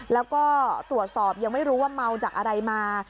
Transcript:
แล้วก็ตรวจสอบยังไม่รู้ว่าเมาจากอะไรมา